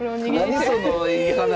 なにそのいい話！